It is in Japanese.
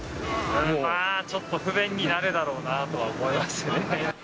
ちょっと不便になるだろうなとは思いますよね。